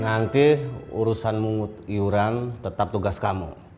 nanti urusan mungut iuran tetap tugas kamu